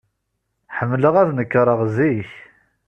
Ḥemmleɣ ad nekreɣ zik.